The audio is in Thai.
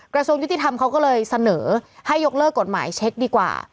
กระทรวงยุติธรรมเขาก็เลยเสนอให้ยกเลิกกฎหมายเช็คดีกว่า